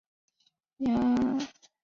符存审父亲符楚是陈州牙将。